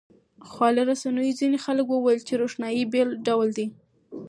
خواله رسنیو ځینې خلک وویل چې روښنايي بېل ډول ده.